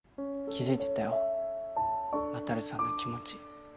気づいてたよ渉さんの気持ち。